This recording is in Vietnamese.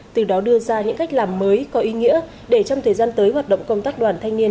từ đó đưa ra những cách làm mới có ý nghĩa để trong thời gian tới hoạt động công tác đoàn thanh niên